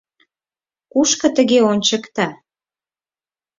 — Кушко тыге ончыкта?